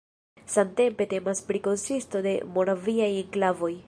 Samtempe temas pri konsisto de Moraviaj enklavoj.